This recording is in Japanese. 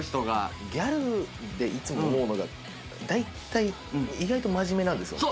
ギャルでいつも思うのが大体意外と真面目なんですよね。